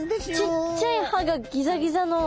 ちっちゃい歯がギザギザの。